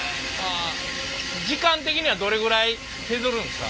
時間的にはどれぐらい削るんですか？